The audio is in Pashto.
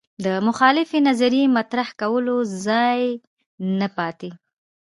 د مخالفې نظریې مطرح کولو ځای نه پاتې